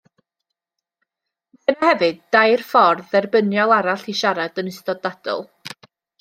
Mae yna hefyd dair ffordd dderbyniol arall i siarad yn ystod dadl.